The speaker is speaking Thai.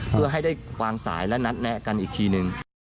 เพื่อให้ได้วางสายและนัดแนะกันอีกทีหนึ่ง